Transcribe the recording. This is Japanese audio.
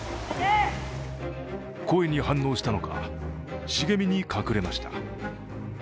声に反応したのか、茂みに隠れました。